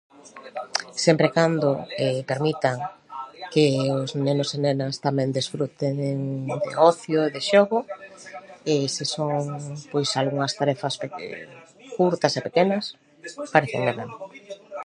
Sempre e cando permitan que os nenos e nenas tamén desfruten de ocio e de xogo e se son, pois, algunhas tarefas pe- curtas e pequenas parécenme ben.